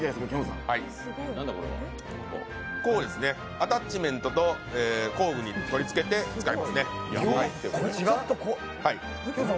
アタッチメントと工具に取り付けて使いますね。